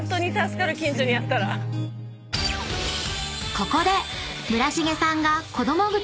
［ここで］